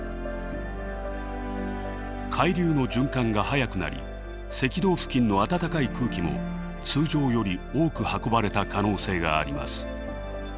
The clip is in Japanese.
海流の循環が速くなり赤道付近の温かい空気も通常より多く運ばれた可能性があります。